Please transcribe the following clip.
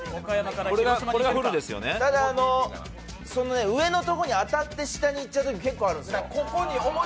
ただ、上のところに当たって下に行っちゃうことも結構あるんですよ。